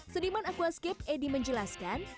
sediman aquascape eddy menjelaskan